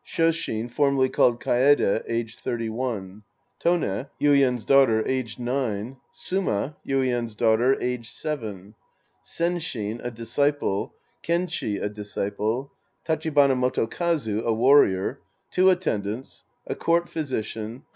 Shoshin, formerly called Kaede, aged 31. Tone, Yuien's daughter, aged 9. SuMA, Yuien's daughter, aged 7. Senshin, a disciple. Kenchi, a disciple. Tachibana Motokazu, a warrior. Two Attendants. A Court Physician.